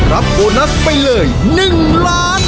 รับโบนัสไปเลย๑๐๐๐๐๐๐บาท